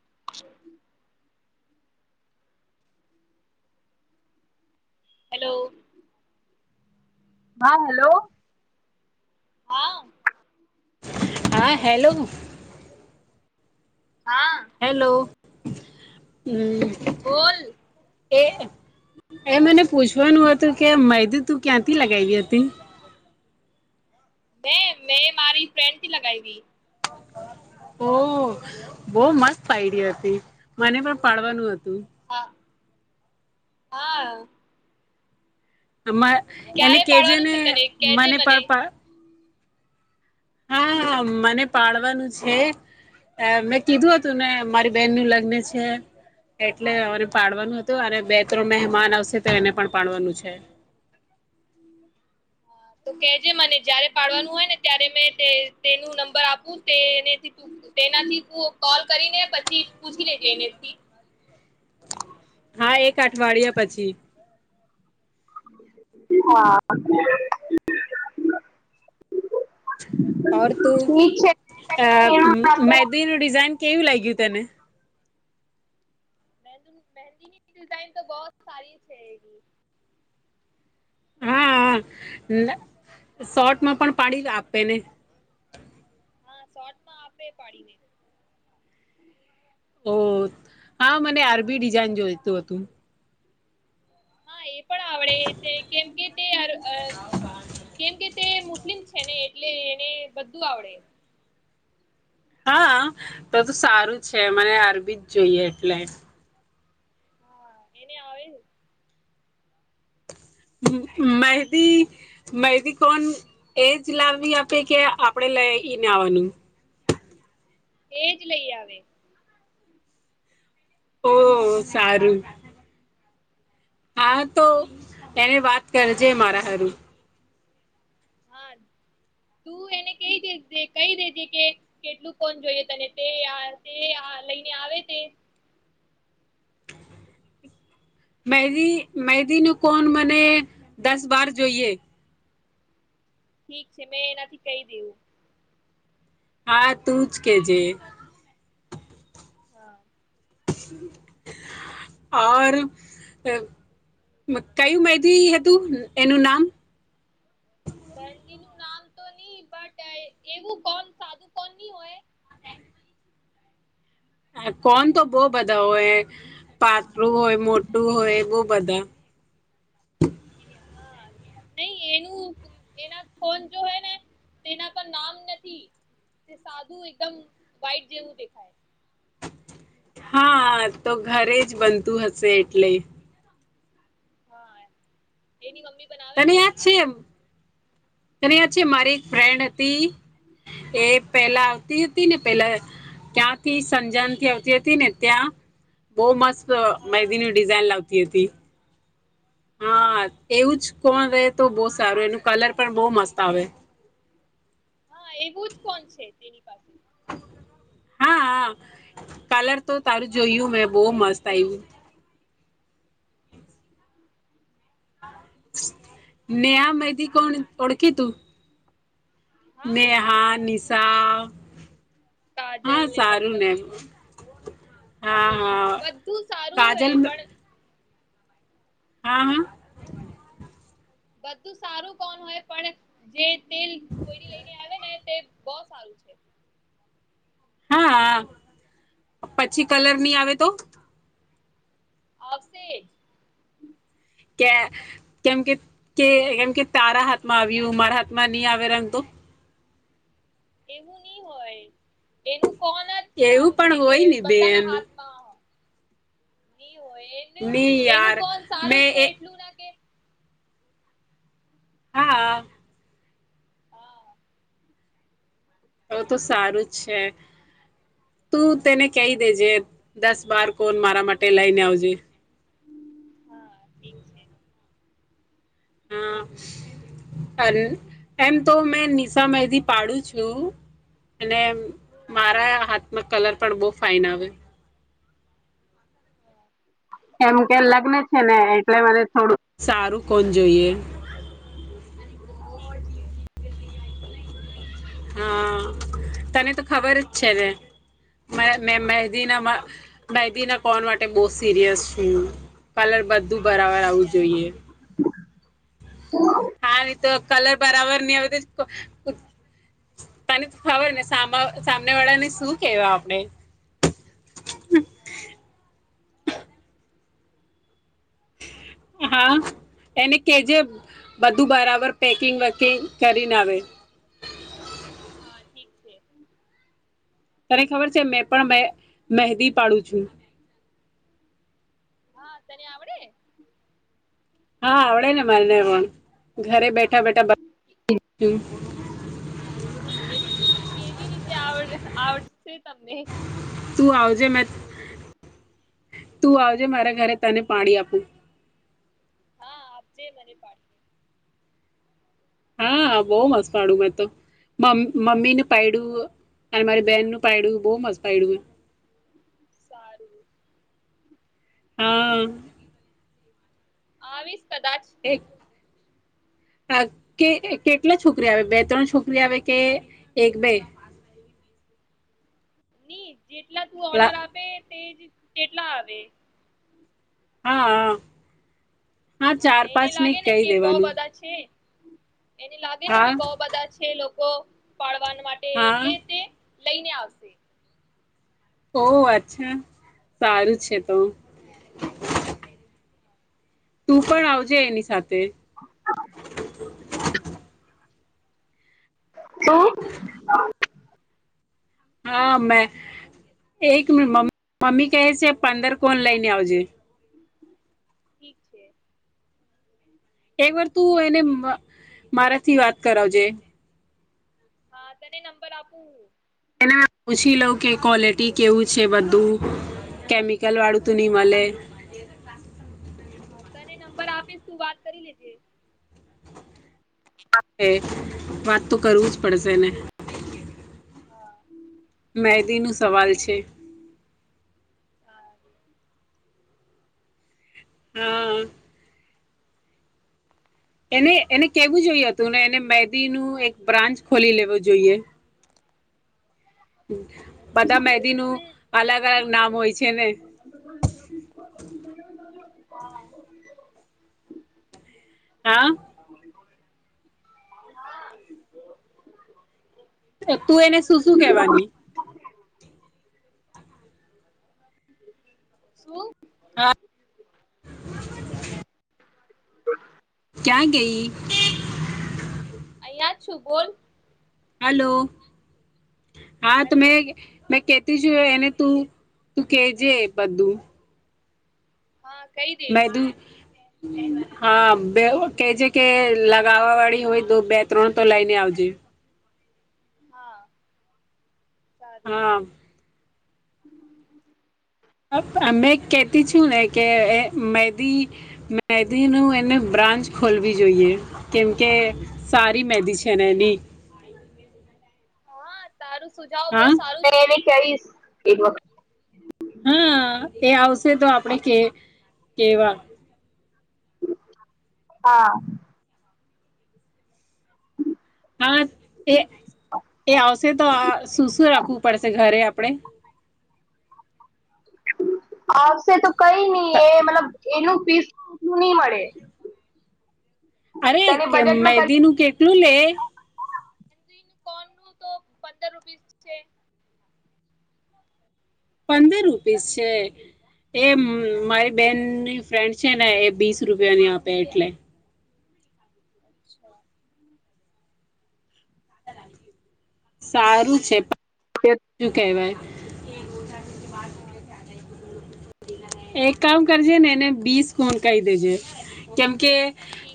[inaudible] Hello હા hello હા હા હેલો હેલો હમ બોલ એ એ મને પૂછવાનું હતું કે મૈદ તું ક્યાંથી લગાવી હતી મેં મેં મારી ફ્રેન્થી લગાયવી ઓ બો મસ્ત આઈડી હતી મને પણ પાડવાનું હ હા હા એને કેજે ને મને પર હા મને પાડવાનું છે મેં કીધું હતું ને મારી બેહેન નું લગ્ન છે એટલે મને પાડવાનું હતું અને બે ત્રણ મહેમાન આવશે તો એને પણ પાડવાનું છે‌. તો કેજે મને જયારે પાડવાનું હોય ને ત્યારે મે તે તેનું નંબર આપું તેને તેનાથી કોલ કરીને પછી પૂછી લેજે એનેથી હા એક અઠવાડિયા પછી હા ઓર તું અ તને એનો નંબર મેંદ ન ડિઝાઇન કેવું લાગ્યું તને મેંહદુ નું મેંહદીની ડિઝાઇન તો બો સારી છે એવી હા લ શોટમાં પણ પાડીલ આપે ને હા શોટ માં આપે પાડીને ઓ હા મને આરબી ડિઝઇન જોઈતું હતું હા એ પણ આવડે તે કેમ કે તે અર અ કેમ કે તે મુસ્લિમ છે ને એટલે એને બધું આવડે હા તો તો સારું છે મને અરબી જ જોઈએ એટલે હા એને આવે મહેંદી મહેંદી કોન એ જ લાવી આપે કે આપડે લઈને આવવાનું એજ લઈ આવે ઓહ સારું હા તો એને વાત કરજે મારા હારું હા તું એને કે કેય દે જે કઈ દે જે કે કેટલું કોણ જોઈએ તને તે આ તે આ લઈને આવે તે મેહદી મેહદી નો કોન મને દસ-બાર જોઈએ. ઠીક છે મેં એનાથી કય દેવું. હા, તું જ કેજે. હા. ઓર અ કયું મેહદી હતું એનું નામ? તો ની બટ એવું કોણ સાદું કોન ની હોય. આ કોન તો બો બધા હોય પાતળું હોય મોટું હોય બો બધા. હા, નહી એનું એના કોન જોહે ને તેના પર નામ નથી તે સાદું એકદમ વાઈટ જેવું દેખાય. હા, તો ઘરે જ બનતું હશે એટલે. હા, એની મમ્મી તને યાદ છે એમ. તને યાદ છે મારી એક ફ્રેન્ડ હતી એ પેલા આવતી હતી ને પેલા ત્યાંથી સંજનથી આવતી હતી ને ત્યાં બો મસ્ત મેહદીનું ડિઝઇન લાવતી હતી. હા, તેવું જ. કોન રે તો બો સારું એનું કલર પણ બો મસ્ત આવે. હા, એવું જ કોન છે તેની પાસે. હા આં કલર તો તારું જોયું મે બહુ મસ્ત આયવુ. નેહા મેંહદી કોણ ઓળખી તું? નેહા, નિશા. હા કાજલ ને સારું વગેરા વગેરા હા બધું સારું હે પણ હાં બધું સારું કોન હોય પણ જે તેલ કોયડી લઈને આવે ને તે બૌ સારું છે. હા, આં પછી કલર ની આવે તો? આવશેે જ. કે કેમ કે કે એમકે તારા હાથમાં આવ્યું મારા હાથમાં ની આવે રંગ તો. એવું ની હોય એનું એવું પણ હોય ને બેન. ની હો એ નહી એનું યાર કોન સારું મેં છે એ એટલું ના કે હા હા હવ તો સારું જ છે તું તેને કહી દેજે દસ બાર કોન મારા માટે લઈને આવજે હા અને એમ તો મેં નિશા મહેંદી પાડું છું અને મારા હાથમાં કલર પણ બહુ ફાઇન આવે એમ કે લગ્ન છે ને એટલે મને થોડું સારું કોન જોઈએ ઠીક છે હા તને તો ખબર જ છે ને મારા મેં મહેદીનામાં મહેંદી ના કોન માટે બહ સિરિયસ છું કલર બધું બરાબર આવું જોઈએ હ હા તો કલર બરાબર ની હવે તને ખબર ને સામને વાળાને શું કે આપણે હા એને કેજે બધું બરાબર પેકિંગ વકીંગ કરીને આવે ઠીક છે તને ખબર છે મેં પણ મેં મહેંદી પાડું છું હા તને આવડે હા આવડે ને મારેને પણ ઘરે બેઠા બેઠા કેવી રીતે આવડ આવડશે તમને તું આવજે તું આવજે મારા ઘરે તને પાણી આપું હા આપજે મને પાડી હા બહ મસ્ત પાડ્યું મેં તો મમ્મી નું પડ્યું અને મારી બેન નું પડું બહુ મસ્ત પાડડ્યું મે સારું હા આવીશ કદા એક કે કેટલા છોકરી આવે બે ત્રણ છોકરી આવે કે એક બે ની [unintelligible] તે જ કેટલા આવે હા હા હા ચાર એને પાંચ લાગે ને કહી કે બઉ દેવાનું બધા છે એને લાગે ને હા કે બહ બધા છે લોકો [unintelligible] માટે હા એટલે છે લઈને આવશે ઓહ અચ્છા સારું છે તો તું પણ આવજે એની સાથે તે શું હા મે, એક મ મમ્મી કહે છે પંદર કોન લઈને આવજે. ઠીક છે. એક વાર તું એને, મારાથી વાત કરાવજે. હા તને નંબર આપું? એને પૂછી લઉં કે ક્વોલિટી કેવું છે બધું, કેમિકલ વાળું ત નહી મળે. તને નંબર આપીસ તું વાત કરી લેજે. એ વાત તો કરવું જ પડશેને. હા. મંહેદી નો સવાલ છે. સારૂ. હમ. એને એને કેવું જોઈએ હતું ને એને મેંદીનું એક બ્રાન્ચ ખોલી લેવો જોઈએ. બધા મેંદી નું અલગ અલગ નામ હોય છે ને. હા. તો તું એને શું શું કેવાની? શું? હા, ક્યાં ગઈ? [inaudible] સુબોલ. હલો. હા તો મે મે કે કેતિ છુ એને તું તું કેજે બધું. હા કઈ દઇસ મેં તું મે. હા બે કે છે કે લગાવવા વાળી હોય તો બે ત્રણ તો લઈને આવજે. હા. હા. [unintelligible] અમે કહેતી છું ને કે એ મેંદી મેંદીનું એને બ્રાન્ચ ખોલવી જોઈએ, કેમકે સારી મેંદી છે ને એની. તારું સુજાવો બહુ હા સારું [unintelligible] કેઈસ એક વખત. હા એ આવ સે તો આપણેે કે. કેવા. હા. હા એ એ આવશે આપણે આવશે તો કઈ નહી એ આપડે મતલબ એનું [unintelligible] નહી મળે. અરે તને કે બજેટમાં મેંદીનું કેટલું લે? કોન નુ તો પંદર રૂપીસ છે. પંદર રૂપીસ છે, એ મારી બેનની ફ્રેન્ડ છે ને એ બીસ રૂપિયાની આપે એટલે. અચ્છા હ. સારું છે [unintelligible] કેવાય. [unintelligible] એક કામ કરજેને એને બીસ ગુણ કહી દેજે કેમકે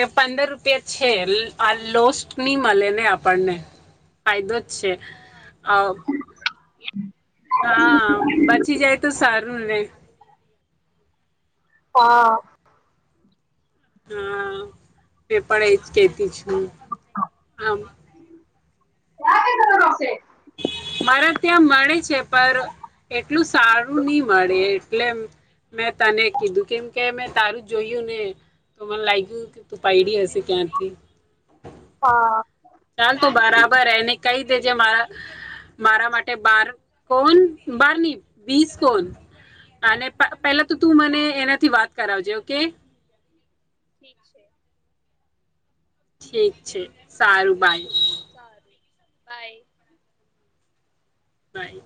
એ પંદર રૂપિયા છે. લ આ લોસ્ટની મલે ને આપણને ફાયદો છે અ [inaudible] હા બચી જાય તો સારું ને. હા. હા મેં પણ એજ કેતી છું આમ કા ગે તમારું [unintelligible] શે મારે ત્યાં મળે છે પર એટલું સારું નહીં મળે એટલે મેં તને કીધું કેમ કે મેં તારું જોયું ને તો મને લાગ્યું કે તું પાયડી હશે. ત્યા થી હા ચાલ તું બરાબર એને કઈ દેજે મારા મારા માટે બાર કોન બારની વીસ કોન અને પ પેલાતો તું મને એનાથી વાત કરાવજે ઓકે ઠીક છે. ઠીક છે સારું બાય સારું બાય બાય